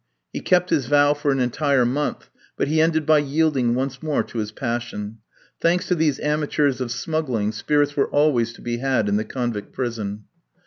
He kept his vow for an entire month, but he ended by yielding once more to his passion. Thanks to these amateurs of smuggling, spirits were always to be had in the convict prison.